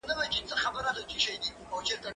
دا بازار له هغه ښه دی!؟